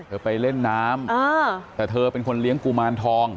ไปเล่นน้ำแต่เธอเป็นคนเลี้ยงกุมารทอง